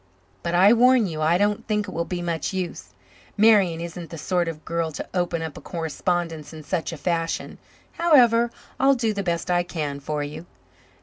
"But I warn you I don't think it will be much use. Marian isn't the sort of girl to open up a correspondence in such a fashion. However, I'll do the best I can for you."